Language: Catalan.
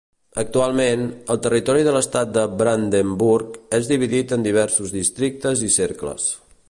Actualment, el territori de l'Estat de Brandenburg és dividit en diversos districtes i cercles.